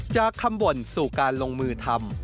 จากคำบ่นสู่การลงมือทำ